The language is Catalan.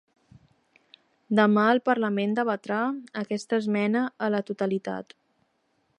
Demà el parlament debatrà aquesta esmena a la totalitat.